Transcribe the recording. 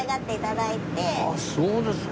あっそうですか。